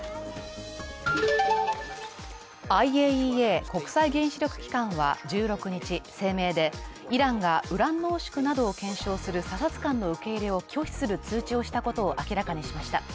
ＩＡＥＡ＝国際原子力機関は１６日、声明でイランがウラン濃縮などを検証する査察官の受け入れを拒否する通知をしたことを明らかにしました。